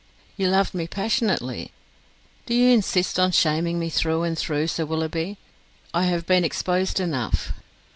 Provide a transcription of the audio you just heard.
"You loved me passionately!" "Do you insist on shaming me through and through, Sir Willoughby? I have been exposed enough."